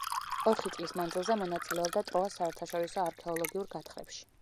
ოთხი წლის მანძილზე მონაწილეობდა ტროას საერთაშორისო არქეოლოგიურ გათხრებში.